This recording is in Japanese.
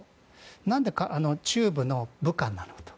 なんで中部の武漢なのと。